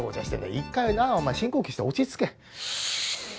一回なお前深呼吸して落ち着け。